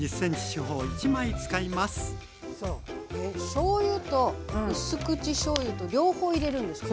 しょうゆと薄口しょうゆと両方入れるんですか？